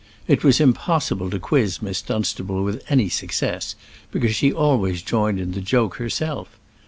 It was impossible to quiz Miss Dunstable with any success, because she always joined in the joke herself.